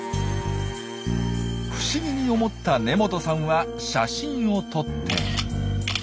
不思議に思った根本さんは写真を撮って。